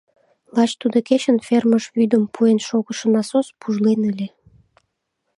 Лач тудо кечын фермыш вӱдым пуэн шогышо насос пужлен ыле.